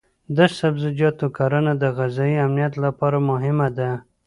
د سبزیجاتو کرنه د غذایي امنیت لپاره مهمه ده.